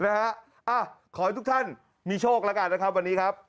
ขอให้ทุกท่านมีโชคแล้วกันนะครับวันนี้ครับ